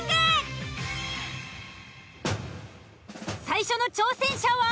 最初の挑戦者は。